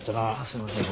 すいません